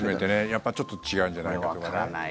やっぱちょっと違うんじゃないかと。